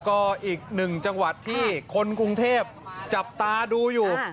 ก็อีกหนึ่งจังหวัดที่คนกรุงเทพจับตาดูอยู่